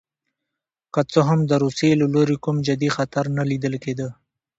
که څه هم د روسیې له لوري کوم جدي خطر نه لیدل کېده.